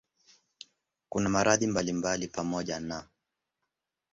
Kuna maradhi mbalimbali pamoja na